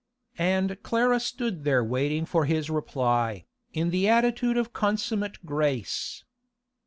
And Clara stood there waiting for his reply, in the attitude of consummate grace.